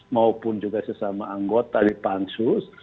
maupun juga sesama anggota di pansus